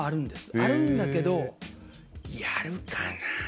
あるんだけど、やるかな。